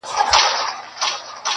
• لمره نن تم سه نن به نه راخېژې -